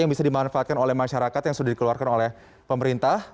yang bisa dimanfaatkan oleh masyarakat yang sudah dikeluarkan oleh pemerintah